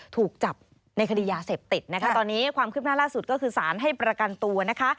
ถูกจับในคดียาเสพติดนะคะตอนนี้ความคืบหน้าล่าสุดก็คือสารให้ประกันตัวนะคะ